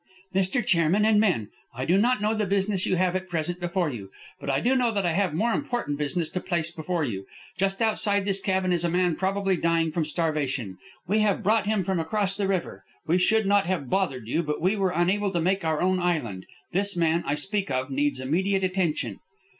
"Mr. Chairman and men: I do not know the business you have at present before you, but I do know that I have more important business to place before you. Just outside this cabin is a man probably dying from starvation. We have brought him from across the river. We should not have bothered you, but we were unable to make our own island. This man I speak of needs immediate attention."